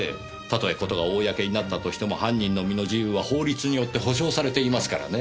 たとえ事が公になったとしても犯人の身の自由は法律によって保障されていますからねぇ。